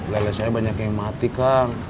lele saya banyak yang mati kang